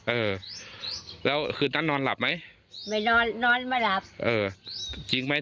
เออแล้วคืนนั้นนอนหลับไหมไม่นอนนอนไม่หลับเออจริงไหม